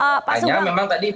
hanya memang tadi